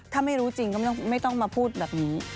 ถ้าไม่รู้จริงก็ไม่ต้องมาพูดแบบนี้